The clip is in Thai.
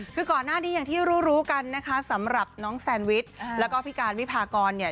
คือก่อนหน้านี้อย่างที่รู้รู้กันนะคะสำหรับน้องแซนวิชแล้วก็พี่การวิพากรเนี่ย